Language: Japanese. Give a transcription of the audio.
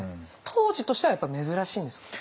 当時としてはやっぱ珍しいんですか？